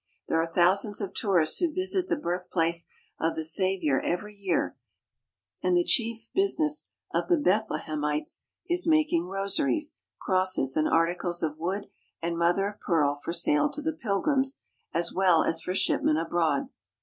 There are thou sands of tourists who visit the birthplace of the Saviour every year, and the chief business of the Bethlehemites 143 THE HOLY LAND AND SYRIA is making rosaries, crosses, and articles of wood and mother of pearl for sale to the pilgrims as well as for shipment abroad.